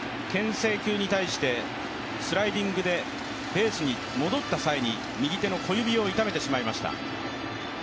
制球に対してスライディングでベースに戻った際に右手の小指を痛めてしまいました。